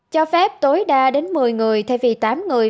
cho phép tối đa đến một mươi người thay vì tám người